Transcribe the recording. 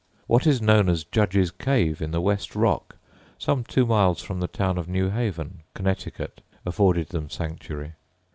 What is known as "Judge's Cave," in the West Rock some two miles from the town of New Haven, Conn., afforded them sanctuary.